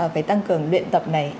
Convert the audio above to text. phải tăng cường luyện tập này